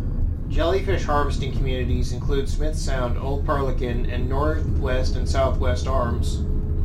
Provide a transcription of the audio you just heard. Jellyfish harvesting communities include Smith Sound, Old Perlican, and Northwest and Southwest Arms.